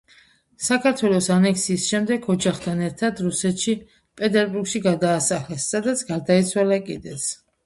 საქართველოს ანექსიის შემდეგ ოჯახთან ერთად რუსეთში, პეტერბურგში გადაასახლეს, სადაც გარდაიცვალა კიდეც.